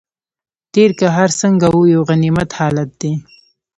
تېر که هر څنګه و یو غنیمت حالت دی.